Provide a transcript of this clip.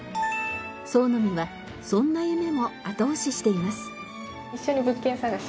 創の実はそんな夢も後押ししています。